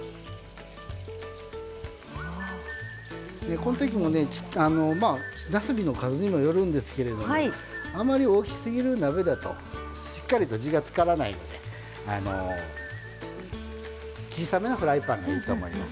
このときも、なすびの数にもよるんですけどあまり大きすぎる鍋だとしっかりと、つからないので小さめなフライパンがいいと思います。